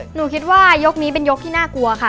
หนูคิดว่ายกนี้เป็นยกที่น่ากลัวค่ะ